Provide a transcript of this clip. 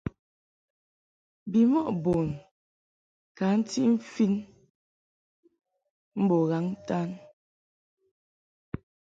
Bimɔʼ bun ka ntiʼ mfin mbo ghaŋ-ntan.